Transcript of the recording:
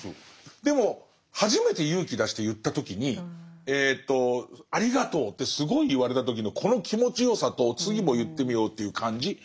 でも初めて勇気出して言った時に「ありがとう」ってすごい言われた時のこの気持ちよさと次も言ってみようという感じ。